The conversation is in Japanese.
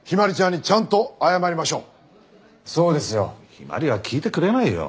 陽葵は聞いてくれないよ。